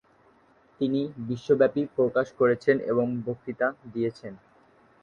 তিনি বিশ্বব্যাপী প্রকাশ করেছেন এবং বক্তৃতা দিয়েছেন।